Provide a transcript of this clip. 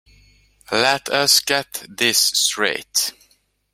Let us get this straight.